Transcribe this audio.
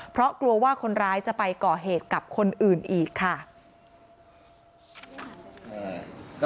เพราะกลัวว่าคนร้ายจะไปก่อเหตุกับคนอื่นอีกค่ะ